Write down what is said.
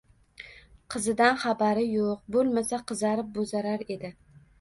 — Qizidan xabari yo‘q. Bo‘lmasa, qizarib-bo‘zarar edi.